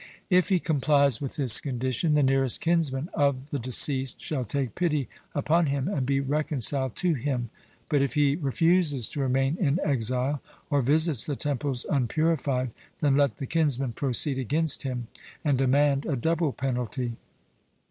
If he complies with this condition, the nearest kinsman of the deceased shall take pity upon him and be reconciled to him; but if he refuses to remain in exile, or visits the temples unpurified, then let the kinsman proceed against him, and demand a double penalty.